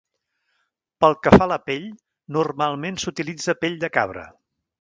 Pel que fa a la pell, normalment s'utilitza pell de cabra.